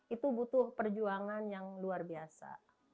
itu butuh perjuangan yang luar biasa